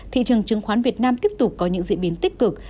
thị trường chứng khoán việt nam tiếp tục có những diễn biến tích cực